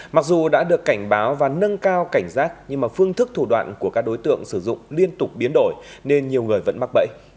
mặc dù đã được cảnh báo và nâng cao cảnh giác nhưng phương thức thủ đoạn của các đối tượng sử dụng liên tục biến đổi nên nhiều người vẫn mắc bẫy